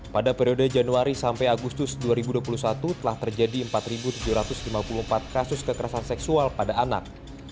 pada periode januari sampai agustus dua ribu dua puluh satu telah terjadi empat tujuh ratus lima puluh empat kasus kekerasan seksual pada anak